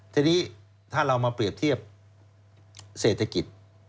ทีนี้ถ้าเรามาเปรียบเทียบเศรษฐกิจ